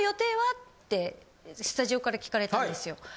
ってスタジオから聞かれたんですよ。